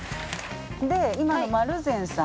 で今の丸善さん